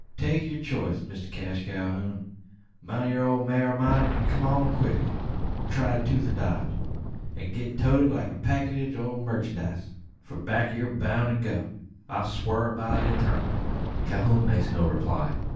Take yur choice, Mister Cash Calhoun. Mount thet old maar o' mine, an kum along quickly; or try the toother dodge, an git toated like a packidge o' merchandice: for back yur boun' to go I swar it by the Eturnal!" Calhoun makes no reply.